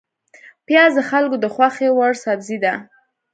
پیاز د خلکو د خوښې وړ سبزی ده